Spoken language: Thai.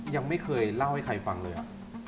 ยังไม่เคยเล่าให้ใครฟังเลย